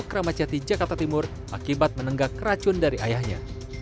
kramacati jakarta timur akibat menenggak racun dari ayahnya